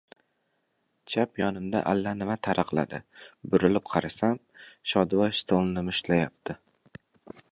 Chap yonimda allanima taraqladi. Burilib qarasam, Shodivoy stolni mushtlayapti.